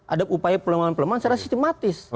ada upaya pelemahan pelemahan secara sistematis